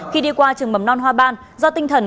khi đi qua trường mầm non hoa ban do tinh thần